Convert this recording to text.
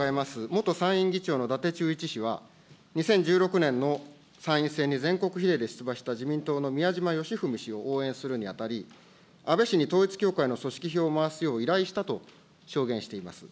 元参院議長のだてちゅういち氏は、２０１６年の参院選に、全国比例で出馬した自民党のみやじまよしふみ氏を応援するにあたり、安倍氏に統一教会の組織票を回すよう依頼したと証言しています。